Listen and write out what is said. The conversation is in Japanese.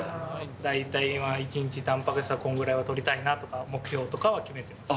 大体１日たんぱく質はこんぐらいはとりたいなとか、目標とかは決めてます。